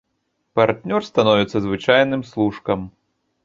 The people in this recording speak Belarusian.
Партнёр становіцца звычайным служкам.